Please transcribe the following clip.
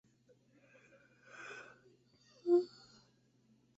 Pronto se vio la necesidad de encontrarle una sede permanente.